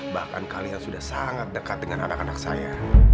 bahkan kalian sudah sangat dekat dengan anak anak saya